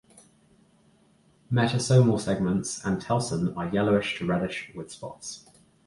Metasomal segments and telson are yellowish to reddish with spots.